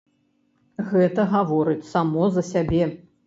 Гэта гаворыць само за сябе.